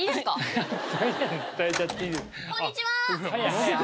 こんにちは！